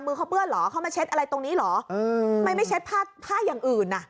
มือเขาเปื้อนเหรอเขามาเช็ดอะไรตรงนี้เหรอทำไมไม่เช็ดผ้าผ้าอย่างอื่นอ่ะ